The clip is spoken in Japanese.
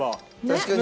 確かに。